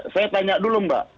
saya tanya dulu mbak